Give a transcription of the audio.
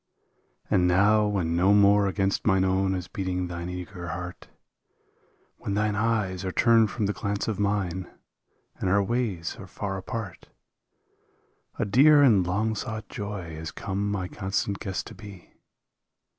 And now when no more against mine own is beating thine eager heart. When thine eyes are turned from the glance of mine and our ways are far apart, A dear and long sought joy has come my constant guest to be.